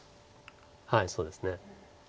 はいそうですね。